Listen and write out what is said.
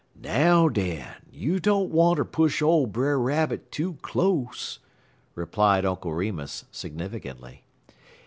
"Now, den, you don't wanter push ole Brer Rabbit too close," replied Uncle Remus significantly.